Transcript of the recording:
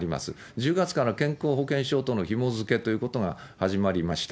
１０月からの健康保険証とのひもづけということが始まりました。